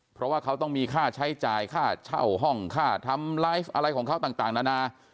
เพราะว่าเขาต้องมีค่าใช้จ่ายค่าเช่าห้องค่าทำไลฟ์อะไรของเขาต่างนานา